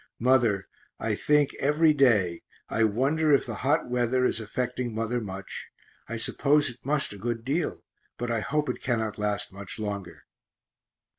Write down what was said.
Mother, I think every day, I wonder if the hot weather is affecting mother much; I suppose it must a good deal, but I hope it cannot last much longer.